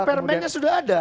nah permainnya sudah ada